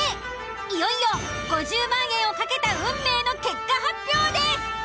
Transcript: いよいよ５０万円を懸けた運命の結果発表です。